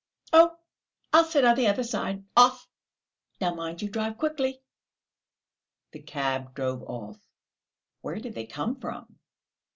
"Oh, I'll sit on the other side; off! Now, mind you drive quickly." The cab drove off. "Where did they come from?"